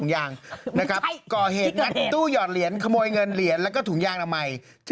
อยู่ที่ประตูดานี